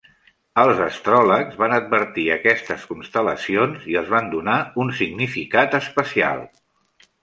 Els astròlegs van advertir aquestes constel·lacions i els van donar un significat especial.